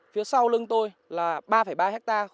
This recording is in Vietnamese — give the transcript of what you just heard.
phía sau lưng tôi là ba ba hectare